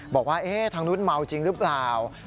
บอกว่าทางนู้นเมาจริงหรือเปล่า